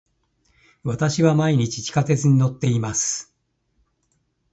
私は毎日地下鉄に乗っています。